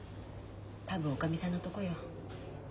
多分おかみさんのとこよ。